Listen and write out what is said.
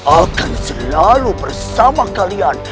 akan selalu bersama kalian